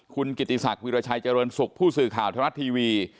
คุณกิติศักดิราชัยเจริญสุขผู้สื่อข่าวทรัฐทีวี